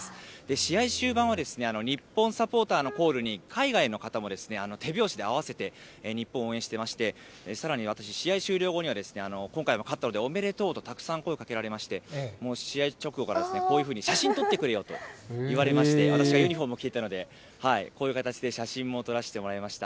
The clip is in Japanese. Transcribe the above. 試合終盤は、日本サポーターのコールに、海外の方も手拍子で合わせて、日本を応援してまして、さらに私、試合終了後には今回も勝ったので、おめでとうとたくさん声をかけられまして、もう試合直後からこういうふうに写真撮ってくれよと言われまして、私がユニホームを着ていたので、こういう形で写真も撮らせてもらいました。